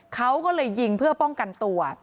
เขาก็เลยยิงเพื่อป้องกันตัว